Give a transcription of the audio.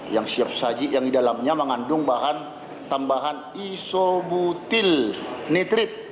yang siap saji yang didalamnya mengandung bahan tambahan isobutil nitrit